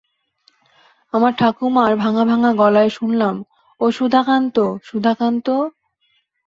আমার ঠাকুরমার ভাঙা-ভাঙা গলাও শুনলাম-ও সুধাকান্ত, সুধাকান্ত।